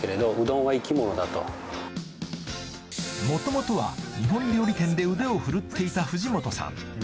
もともとは日本料理店で腕を振るっていた藤本さん